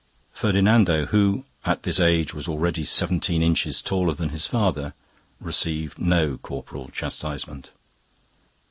Ferdinando, who at this age was already seventeen inches taller than his father, received no corporal chastisement.